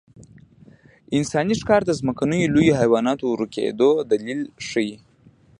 انساني ښکار د ځمکنیو لویو حیواناتو ورکېدو دلیل ښيي.